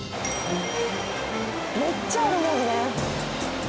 めっちゃあるもんね。